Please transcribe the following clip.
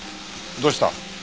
どうした？